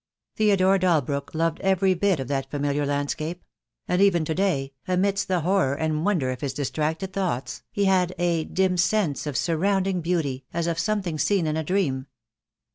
Theo dore Dalbrook loved every bit of that familiar landscape; and even to day, amidst the horror and wonder of his distracted thoughts, he had a dim sense of surrounding beauty, as of something seen in a dream.